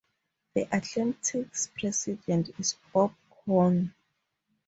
The Atlantic's President is Bob Cohn.